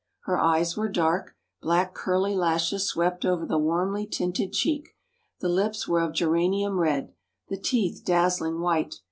Her eyes were dark; black curly lashes swept over the warmly tinted cheek; the lips were of geranium red; the teeth, dazzlingly white.